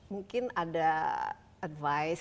mungkin ada advice